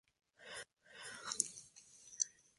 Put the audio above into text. La cantería es uno de los oficios de más antigua tradición.